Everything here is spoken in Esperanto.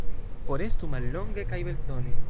Por estu mallonge kaj belsone.